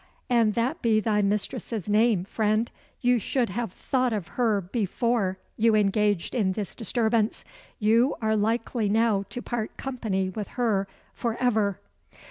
"An that be thy mistress's name, friend, you should have thought of her before you engaged in this disturbance. You are likely now to part company with her for ever."